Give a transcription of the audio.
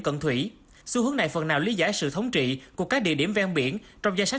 cận thủy xu hướng này phần nào lý giải sự thống trị của các địa điểm ven biển trong danh sách